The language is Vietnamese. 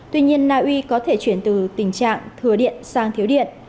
tuy nhiên naui có thể chuyển từ tình trạng thừa điện sang thiếu điện